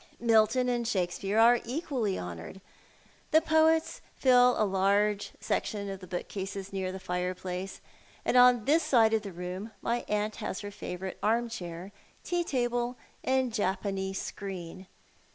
Milton and Shakespeare are equally honoured. Tlie jioets fill a large section of the bookcases near the fireplace ; and on this side of the room my aunt has her favourite armchair, tea table, and .Japanese .screen.